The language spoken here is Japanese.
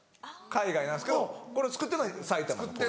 海外なんですけどこれ作ってるのは埼玉の工場。